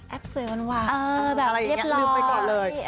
แอปเสือนว่ะอะไรอย่างงี้ลืมไปก่อนเลย